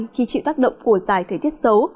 khi chịu tác động của dài thời tiết xấu